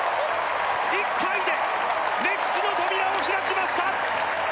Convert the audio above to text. １回で歴史の扉を開きました